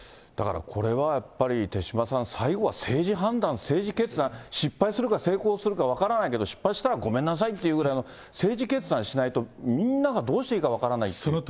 だから、これはやっぱり手嶋さん、最後は政治判断、政治決断、失敗するか、成功するか分からないけど失敗したらごめんなさいというぐらいの政治決断しないと、みんながどうしていいか分からないという。